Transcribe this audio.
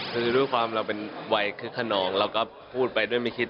คือด้วยความเราเป็นวัยคึกขนองเราก็พูดไปด้วยไม่คิด